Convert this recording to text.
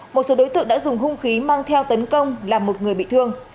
một số đối tượng đã dùng hung khí mang theo tấn công làm một người bị thương